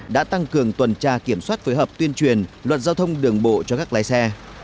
đã tăng cường tuần tra kiểm soát phối hợp tuyên truyền luật giao thông đường bộ cho các lái xe